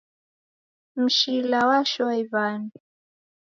Mshila washoa iw'anu.